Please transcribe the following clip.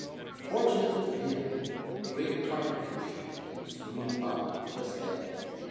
Fortunately for him a great tarpon fish came swimming by just then.